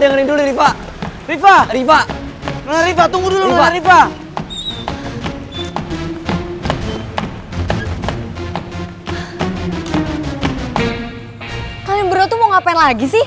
gak ada yang mau ngapain lagi sih